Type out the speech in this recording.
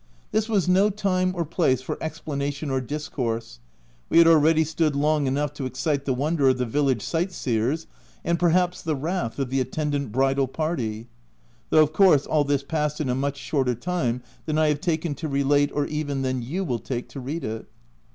This was no time or place for explanation or discourse: we had already stood long enough to excite the wonder of the village sight seers, and perhaps the wrath of the attendant bridal party ; though, of course, all this passed in a much shorter time than I have taken to relate or even than you will take to read it.